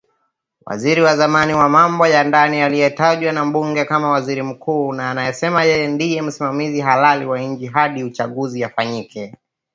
Waziri wa zamani wa mambo ya ndani aliyetajwa na bunge kama waziri mkuu, na anasema yeye ndie msimamizi halali wa nchi hadi uchaguzi ufanyike.